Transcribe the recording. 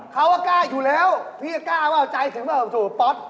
เขาว่ากล้าอยู่แล้วพี่กล้าว่าใจถึงว่าถูกป๊อต